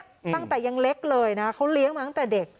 ตั้งแต่ยังเล็กเลยนะเขาเลี้ยงมาตั้งแต่เด็ก